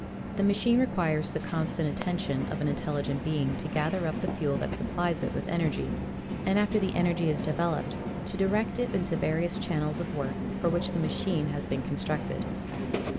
The machine requires the constant attention of an intelligent being to gather up the fuel that supplies it with energy, and, after the energy is developed, to direct it into the various channels of work for which the machine has been constructed.